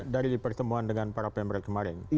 dari pertemuan dengan para pemret kemarin